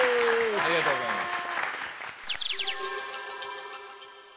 ありがとうございます。